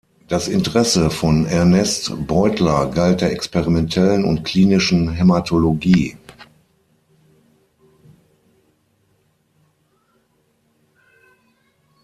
Das Interesse von Ernest Beutler galt der experimentellen und klinischen Hämatologie.